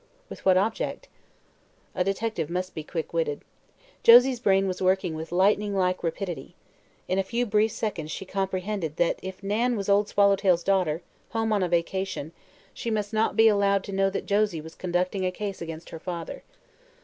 "With what object?" A detective must be quick witted. Josie's brain was working with lightning like rapidity. In a few brief seconds she comprehended that if Nan was Old Swallowtail's daughter, home on a vacation, she must not be allowed to know that Josie was conducting a case against her father.